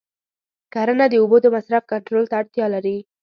کرنه د اوبو د مصرف کنټرول ته اړتیا لري.